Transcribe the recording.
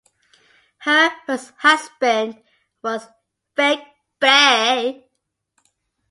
Her first husband was Faik Bey.